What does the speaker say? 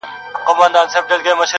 چي د ښـكلا خبري پټي ساتي.